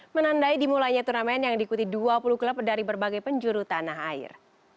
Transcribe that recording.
menandai dimulainya turnamen yang diikuti dua puluh klub dari berbagai penjuru tanah air